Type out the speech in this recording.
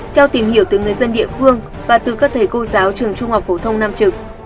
theo tìm hiểu từ người dân địa phương và từ các thầy cô giáo trường trung học phổ thông nam trực